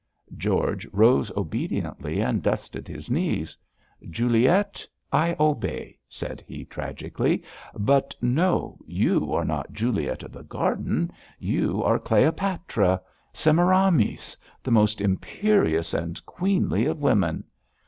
George rose obediently, and dusted his knees. 'Juliet, I obey,' said he, tragically; 'but no, you are not Juliet of the garden; you are Cleopatra! Semiramis! the most imperious and queenly of women.